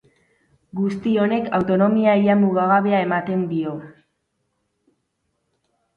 Guzti honek autonomia ia mugagabea ematen dio.